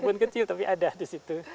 kebun kecil tapi ada di situ